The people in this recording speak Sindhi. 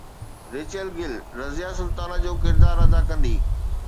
ريچل گل رضيه سلطانه جو ڪردار ادا ڪندي